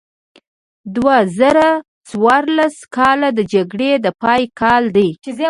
دوه زره څوارلس کال د جګړې د پای کال دی.